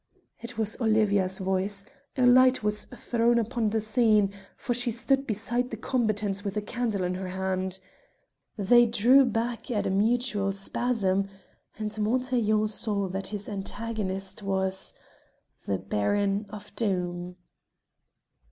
It was Olivia's voice; a light was thrown upon the scene, for she stood beside the combatants with a candle in her hand. They drew back at a mutual spasm, and Montaiglon saw that his antagonist was the Baron of Doom!